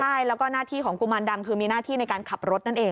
ใช่แล้วก็หน้าที่ของกุมารดำคือมีหน้าที่ในการขับรถนั่นเอง